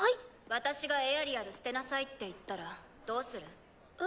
私がエアリアル捨てなさいって言ったらどうする？